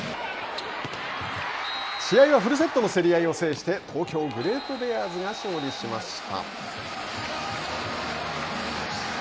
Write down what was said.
試合はフルセットの競り合いを制して、東京グレートベアーズが勝利しました。